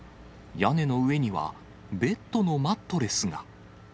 屋根の上には、ベッドのマットレスが。